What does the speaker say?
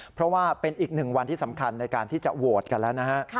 เพราะว่าเป็นอีกหนึ่งวันที่สำคัญในการที่จะโหวตกันแล้วนะฮะ